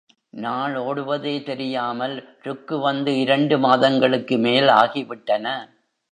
நாள் ஓடுவதே தெரியாமல் ருக்கு வந்து இரண்டு மாதங்களுக்கு மேல் ஆகிவிட்டன.